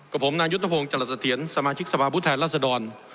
กับผมนายุทธพงศ์จรษฐียนศ์สมาชิกสภาพุทธไทยรัศดร